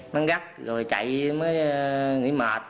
nắng gắt rồi chạy mới nghỉ mệt